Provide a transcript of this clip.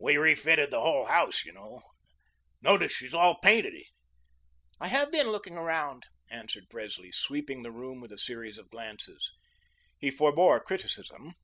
We refitted the whole house, you know. Notice she's all painted?" "I have been looking around," answered Presley, sweeping the room with a series of glances. He forebore criticism.